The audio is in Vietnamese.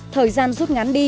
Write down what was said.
thời gian rút ngắn đi